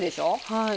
はい。